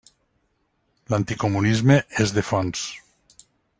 L'anticomunisme és de fons.